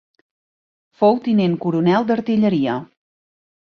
Fou tinent coronel d'artilleria.